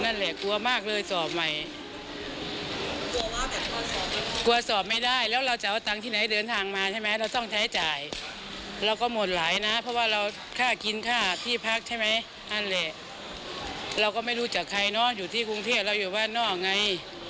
นั่นแหละเราก็ไม่รู้จักใครเนาะอยู่ที่กรุงเทศเราอยู่บ้านนอกไง